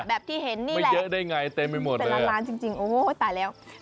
แบบที่เห็นนี่แหละเป็นล้านล้านจริงโอ้ยตายแล้วไม่เยอะได้ไง